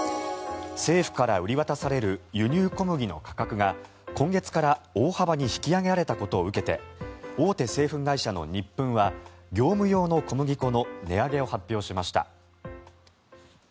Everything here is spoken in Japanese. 政府から売り渡される輸入小麦の価格が今月から大幅に引き上げられたことを受けて大手製粉会社のニップンは業務用の小麦粉の値上げを発表しました。